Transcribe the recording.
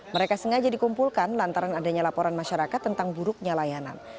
mereka sengaja dikumpulkan lantaran adanya laporan masyarakat tentang buruknya layanan